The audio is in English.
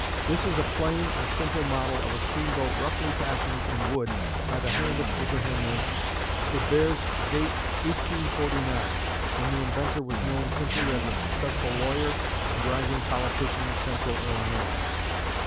This is a plain and simple model of a steamboat roughly fashioned in wood by the hand of Abraham Lincoln. It bears date 1849, when the inventor was known simply as a successful lawyer and rising politician of Central Illinois.